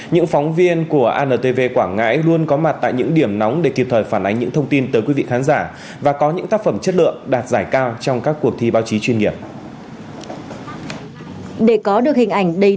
những phóng viên của antv quảng ngãi luôn có mặt tại những điểm nóng để kịp thời phản ánh những thông tin tới quý vị khán giả và có những tác phẩm chất lượng đạt giải cao trong các cuộc thi báo chí chuyên nghiệp